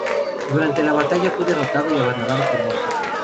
Durante la batalla, fue derrotado y abandonado por muerto.